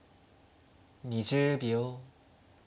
２０秒。